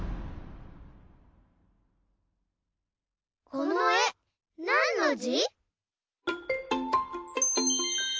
このえなんのじ？